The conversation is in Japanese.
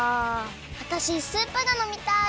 わたしスープがのみたい！